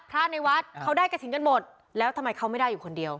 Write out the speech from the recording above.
พระในวัดเขาได้กระถิ่นกันหมดแล้วทำไมเขาไม่ได้อยู่คนเดียว